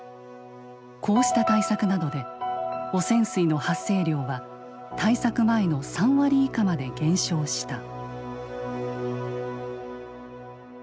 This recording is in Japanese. こうした対策などで汚染水の発生量は対策前の３割以下まで減少した。